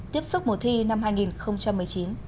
tiếp xúc mùa thi năm hai nghìn một mươi chín